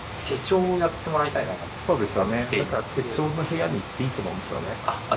手帳の部屋に行っていいと思うんですよね。